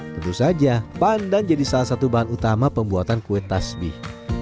tentu saja pandan jadi salah satu bahan utama pembuatan kue tasbih